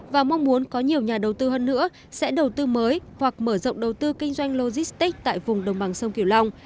và mong muốn có nhiều nhà đầu tư hơn nữa sẽ đầu tư mới hoặc mở rộng đầu tư kinh doanh logistics tại vùng đồng bằng sông kiều long